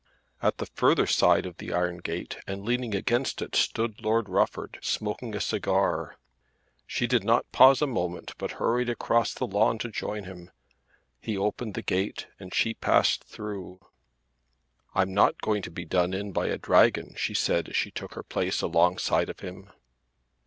At the further side of the iron gate and leaning against it, stood Lord Rufford smoking a cigar. She did not pause a moment but hurried across the lawn to join him. He opened the gate and she passed through. "I'm not going to be done by a dragon," she said as she took her place alongside of him.